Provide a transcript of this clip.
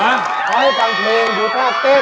ให้ขอให้ฟังเทงดูภาพเต้น